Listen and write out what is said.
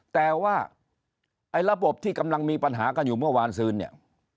แต่ว่าไอ้ระบบที่กำลังมีปัญหากันอยู่เมื่อวานซื้นเนี่ย